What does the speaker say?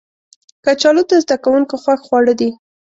کچالو د زده کوونکو خوښ خواړه دي